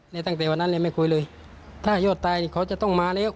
ตั้งแต่วันนั้นเลยไม่คุยเลยถ้ายอดตายนี่เขาจะต้องมาแล้ว